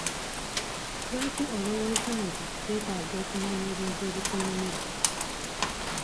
Lwaki olowooza nti twetaaga okumanya ebintu ebikunyumira?